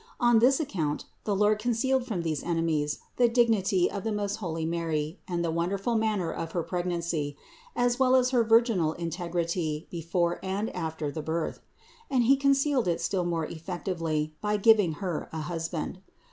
On this account the Lord concealed from these enemies the dignity of the most holy Mary and the wonderful manner of her pregnancy, as well as her virginal integrity before and after the birth ; and He con cealed it still more effectively by giving her a husband.